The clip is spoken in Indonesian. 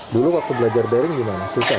dulu waktu belajar daring gimana suka